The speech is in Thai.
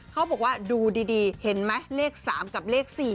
เขาบอกว่าดูดีเห็นไหมเลข๓กับเลข๔